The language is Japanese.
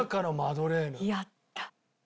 やった！